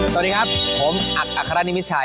สวัสดีครับผมอักอัครนิมิตรชัย